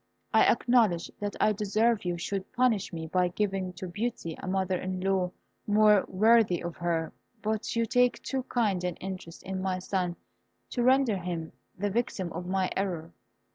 I acknowledge that I deserve you should punish me by giving to Beauty a mother in law more worthy of her; but you take too kind an interest in my son to render him the victim of my error.